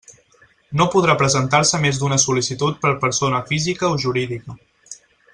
No podrà presentar-se més d'una sol·licitud per persona física o jurídica.